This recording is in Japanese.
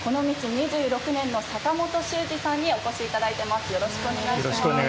２６年の阪本修司さんにお越しいただいています。